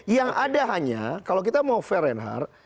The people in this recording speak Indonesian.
yang ada hanya kalau kita mau fair and hard